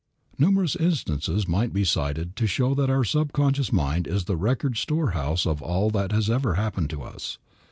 Numerous instances might be cited to show that our subconscious mind is the record storehouse of all that has ever happened to us.